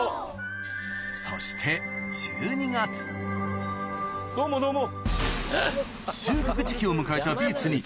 そしてどうもどうも。